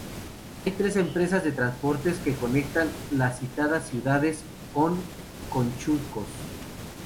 Hay tres empresas de transportes que conectan las citadas ciudades con Conchucos.